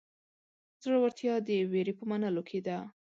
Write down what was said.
زړهورتیا د وېرې په منلو کې ده.